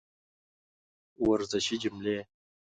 ورزشي جملې